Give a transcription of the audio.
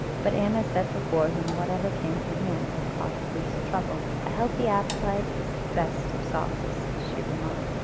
But Anna set before him whatever came to hand and cost least trouble. A healthy appetite is the best of sauces, she remarked.